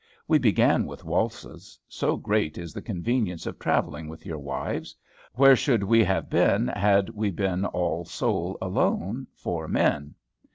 We began with waltzes, so great is the convenience of travelling with your wives, where should we have been, had we been all sole alone, four men?